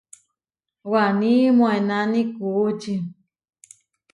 Waní moʼénani kuʼúči.